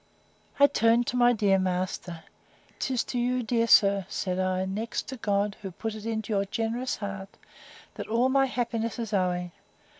I turned to my dear master: 'Tis to you, dear sir, said I, next to God, who put it into your generous heart, that all my happiness is owing!